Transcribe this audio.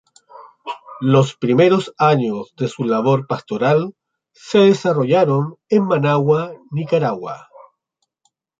Los primeros años de su labor pastoral se desarrollaron en Managua, Nicaragua.